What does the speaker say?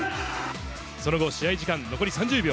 その後、試合時間残り３０秒。